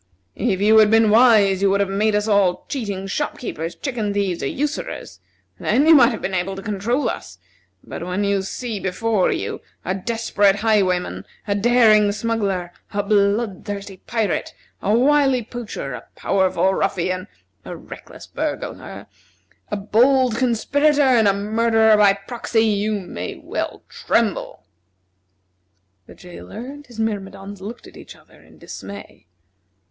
If you had been wise you would have made us all cheating shop keepers, chicken thieves, or usurers. Then you might have been able to control us; but when you see before you a desperate highwayman, a daring smuggler, a blood thirsty pirate, a wily poacher, a powerful ruffian, a reckless burglar, a bold conspirator, and a murderer by proxy, you well may tremble!" The jailer and his myrmidons looked at each other in dismay.